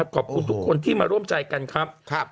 ขอบคุณทุกคนที่มาร่วมใจกันครับ